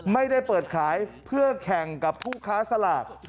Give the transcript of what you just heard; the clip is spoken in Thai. ไม่ได้เปิดขายเพื่อแข่งกับผู้ค้าสลาก